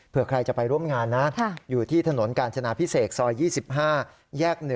เพื่อใครจะไปร่วมงานนะอยู่ที่ถนนกาญจนาพิเศษซอย๒๕แยก๑